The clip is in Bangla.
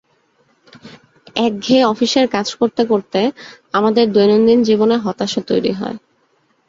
একঘেয়ে অফিসের কাজ করতে করতে আমাদের দৈনন্দিন জীবনে হতাশা তৈরি হয়।